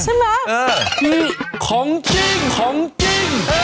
ใช่มั้ยเออคือของจริงของจริง